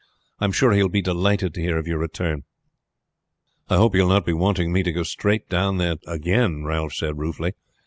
I am sure he will be delighted to hear of your return." "I hope he will not be wanting me to go straight off down there again," Ralph said ruefully.